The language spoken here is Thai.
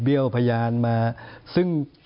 เบี้ยวพญานมาซึ่ง